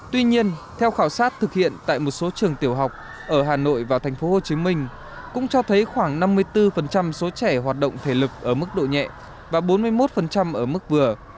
tuy nhiên theo khảo sát thực hiện tại một số trường tiểu học ở hà nội và thành phố hồ chí minh cũng cho thấy khoảng năm mươi bốn số trẻ hoạt động thể lực ở mức độ nhẹ và bốn mươi một ở mức vừa